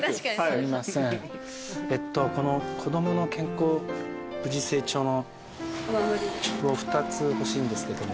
すいませんえっとこの子供の健康無事成長を２つ欲しいんですけども。